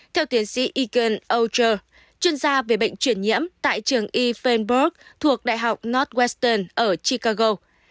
theo tiến sĩ egan ocher chuyên gia về bệnh chuyển nhiễm tại trường e fenberg thuộc đại học northwestern ở chicago